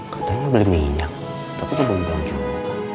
katanya beli minyak tapi belum beli juga